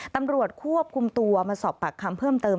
ตำรวจควบคุมตัวมาสอบปากคำเพิ่มเติม